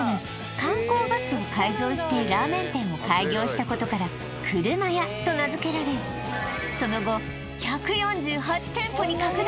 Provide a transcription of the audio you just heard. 観光バスを改造してラーメン店を開業したことから「くるまや」と名付けられその後１４８店舗に拡大